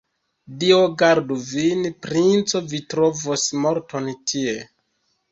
Dio gardu vin, princo, vi trovos morton tie!